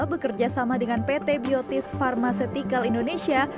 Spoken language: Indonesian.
bekerja sama dengan pt biotis pharmaceutical indonesia